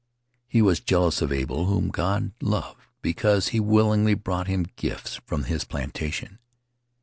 . He was jealous of Abel, whom God loved because he willingly brought him gifts from his plantation.